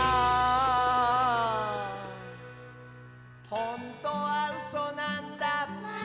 「ほんとはうそなんだ」